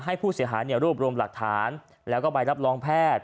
ให้ผู้เสียหายรวบรวมหลักฐานแล้วก็ใบรับรองแพทย์